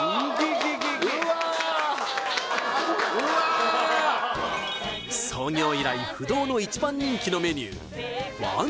うわうわ創業以来不動の１番人気のメニュー